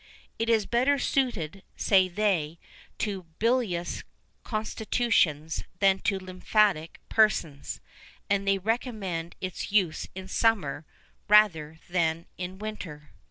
It is better suited, say they, to bilious constitutions than to lymphatic persons; and they recommended its use in summer, rather than in winter.